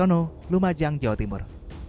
sono lumajang jawa timur